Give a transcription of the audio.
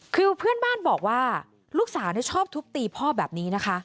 คือเพื่อนบ้านบอกว่าลูกสาวชอบทุบตีพ่อแบบนี้นะคะ